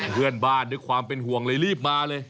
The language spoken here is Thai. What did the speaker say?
เพื่อนบ้านนึกความเป็นห่วงเลยรีบมาเลย